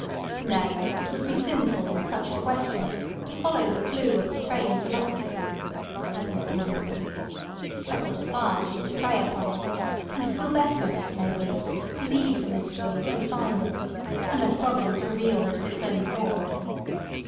"Nay; it would be sinful, in such a question, to follow the clue of profane philosophy," said Mr. Wilson. "Better to fast and pray upon it; and still better, it may be, to leave the mystery as we find it, unless Providence reveal it of its own accord.